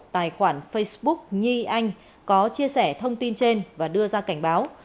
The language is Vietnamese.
tài khoản facebook nhi anh có chia sẻ thông tin trên và đưa ra cảnh báo